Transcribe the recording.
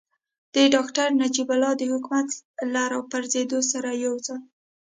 د ډاکتر نجیب الله د حکومت له راپرځېدو سره یوځای.